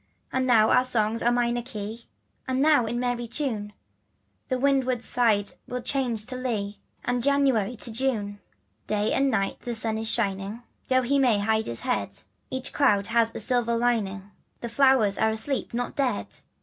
And now our songs are minor key, And now in merry tune 5 The windward side will change to lee, And January to June. Day and night the sun is shining, Though he may hide his head; Each cloud has a silver lining, The flowers are asleep not dead.